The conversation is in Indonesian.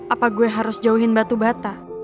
apa gue harus jauhin batu bata